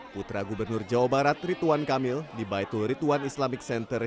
putra gubernur jawa barat rituan kamil di baitul rituan islamic center